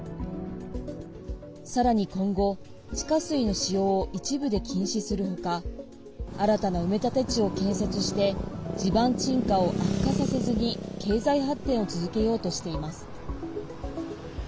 さらに今後地下水の使用を一部で禁止する他新たな埋め立て地を建設して地盤沈下を悪化させずに経済発展を続けようとしています。